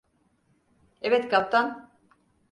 Evet kaptan.